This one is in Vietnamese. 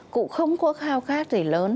cụ không có khao khát gì lớn